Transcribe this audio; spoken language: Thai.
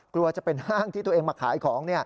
กลัวจะเป็นห้างที่ตัวเองมาขายของ